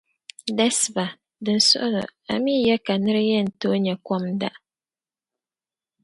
Dasiba. Dim suɣlo, amii ya ka nira yɛn tooi nyɛ kom n da?